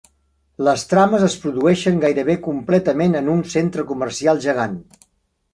Les trames es produeixen gairebé completament en un centre comercial gegant.